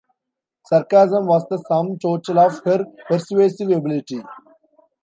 Sarcasm was the sum total of her persuasive ability.